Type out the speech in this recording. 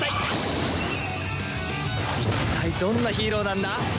いったいどんなヒーローなんだ？